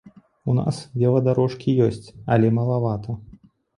У нас веладарожкі ёсць, але малавата.